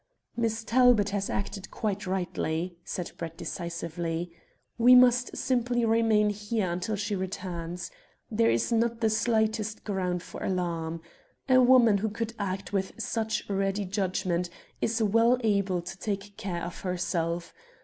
"Miss Talbot has acted quite rightly," said Brett decisively. "We must simply remain here until she returns. There is not the slightest ground for alarm. A woman who could act with such ready judgment is well able to take care of herself.